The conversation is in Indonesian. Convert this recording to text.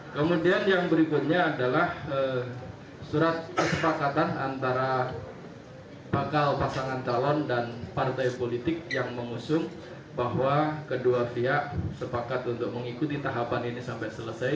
kemudian yang berikutnya adalah surat kesepakatan antara bakal pasangan calon dan partai politik yang mengusung bahwa kedua pihak sepakat untuk mengikuti tahapan ini sampai selesai